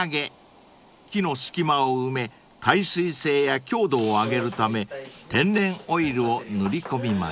［木の隙間を埋め耐水性や強度を上げるため天然オイルを塗り込みます］